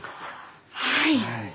はい！